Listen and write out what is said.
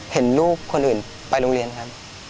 เห็นลูกคนอื่นไปโรงเรียนครับ